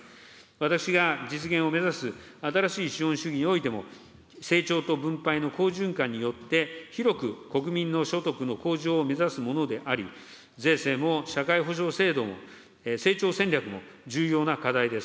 私が実現を目指す新しい資本主義においても、成長と分配の好循環によって、広く国民の所得の向上を目指すものであり、税制も社会保障制度も、成長戦略も、重要な課題です。